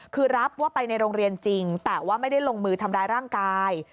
คือรับว่าไปในโรงเรียนจริงแต่ว่าไม่ได้ลงมือทำร้ายร่างกาย